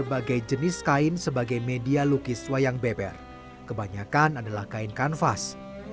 sebagai jenis kain sebagai media lukis wayang beber kebanyakan adalah kain kanvas